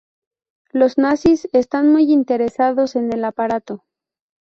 Los nazis están muy interesados en el aparato.